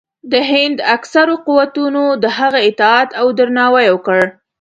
د هند اکثرو قوتونو د هغه اطاعت او درناوی وکړ.